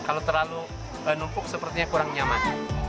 kalau terlalu numpuk sepertinya kurang nyaman